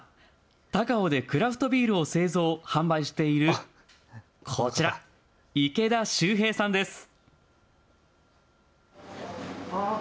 高尾でクラフトビールを製造、販売しているこちら、池田周平さんです。